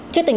thưa quý vị